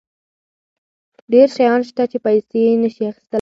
ډېر شیان شته چې پیسې یې نشي اخیستلی.